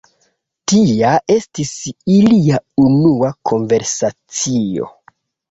Tia estis ilia unua konversacio.